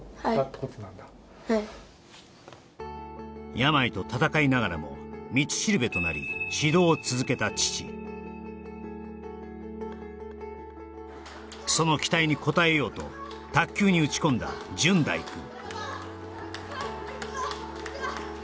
病と闘いながらも道しるべとなり指導を続けた父その期待に応えようと卓球に打ち込んだ純大くん